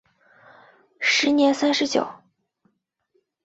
时年三十九。